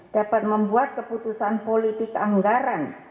dapat membuat keputusan politik anggaran